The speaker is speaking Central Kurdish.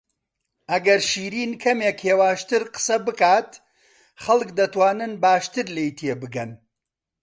ئەگەر شیرین کەمێک هێواشتر قسە بکات، خەڵک دەتوانن باشتر لێی تێبگەن.